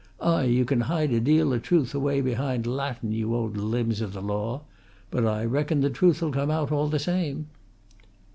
"Ay! you can hide a deal o' truth away behind Latin, you old limbs o' the law! But I reckon the truth'll come out, all the same."